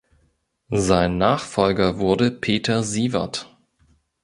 Sein Nachfolger wurde Peter Siewert.